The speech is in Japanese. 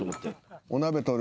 お鍋取る？